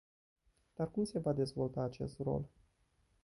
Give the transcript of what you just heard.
Dar cum se va dezvolta acel rol?